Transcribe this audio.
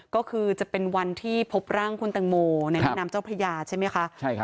ก็คือจะเป็นวันที่พบร่างคุณตังโมในแม่น้ำเจ้าพระยาใช่ไหมคะ